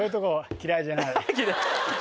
嫌いじゃないの？